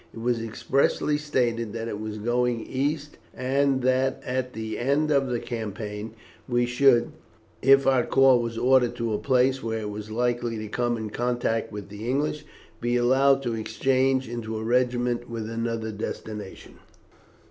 It was expressly stated that it was going east, and that at the end of the campaign we should, if our corps was ordered to a place where it was likely to come in contact with the English, be allowed to exchange into a regiment with another destination.